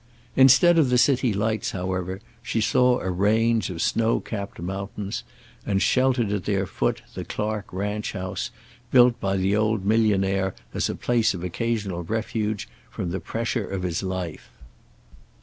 Instead of the city lights, however, she saw a range of snow capped mountains, and sheltered at their foot the Clark ranch house, built by the old millionaire as a place of occasional refuge from the pressure of his life.